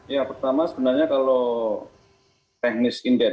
ya pertama sebenarnya kalau teknis indeks